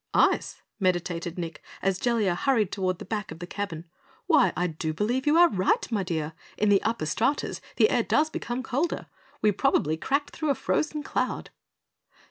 "Ice?" meditated Nick, as Jellia hurried toward the back of the cabin. "Why, I do believe you are right, my dear. In the upper stratas the air does become colder. We probably cracked through a frozen cloud!"